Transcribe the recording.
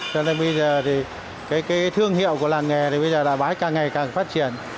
cho nên bây giờ thương hiệu của làng nghề bây giờ đã bái càng ngày càng phát triển